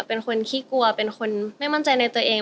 เป็นคนขี้กลัวเป็นคนไม่มั่นใจในตัวเอง